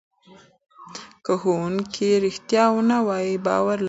که ښوونکی رښتیا ونه وایي باور له منځه ځي.